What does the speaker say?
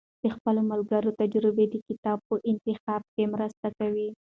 د خپلو ملګرو تجربې د کتاب په انتخاب کې مرسته کوي.